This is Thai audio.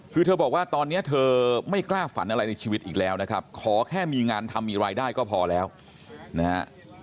คือเธอบอกว่าตอนนี้เธอไม่กล้าฝันอะไรในชีวิตอีกแล้วนะครับขอแค่มีงานทำมีรายได้ก็พอแล้วนะฮะ